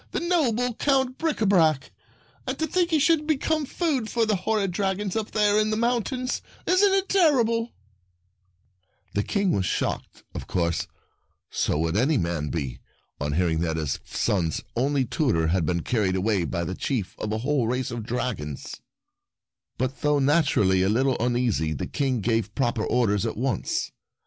The noble Count Bricabrac !— to think he should become food for the horrid dragons up there in the mountains ! Isn't it terrible !" Awful # News Her Grief 62 The Prince King # Shocked One Who Did The King was shocked, of course; so would any man be, on hearing that his son's only tutor had been carried away by the chief of a whole race of dragons. But though naturally a little uneasy the King gave proper orders at once.